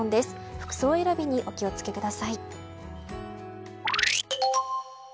服装選びにお気を付けください。